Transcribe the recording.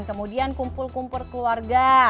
kemudian kumpul kumpul keluarga